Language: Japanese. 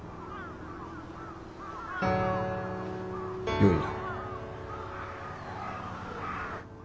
よいな？